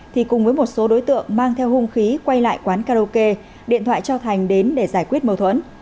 thì cùng với một số đối tượng mang theo hung khí quay lại quán karaoke điện thoại cho thành đến để giải quyết mâu thuẫn